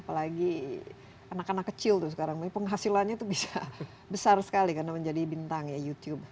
apalagi anak anak kecil tuh sekarang penghasilannya itu bisa besar sekali karena menjadi bintang ya youtube